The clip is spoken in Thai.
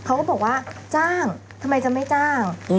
เขาก็บอกว่าจ้างทำไมจะไม่จ้าง